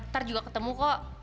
ntar juga ketemu kok